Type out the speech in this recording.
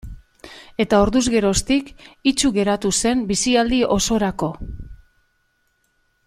Eta orduz geroztik itsu geratu zen bizialdi osorako.